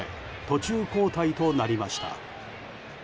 途中交代となりました。